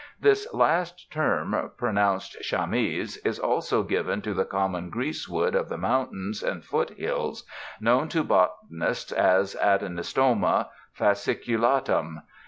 This last term — pronounced chameeze — is also given to the common greasewood of the mountains and foothills, known to botanists as adenostoma fascicu latum.